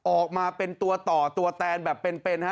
ออกมาเป็นตัวต่อตัวแตนแบบเป็นฮะ